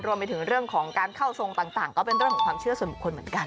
รวมไปถึงเรื่องของการเข้าทรงต่างก็เป็นเรื่องของความเชื่อส่วนบุคคลเหมือนกัน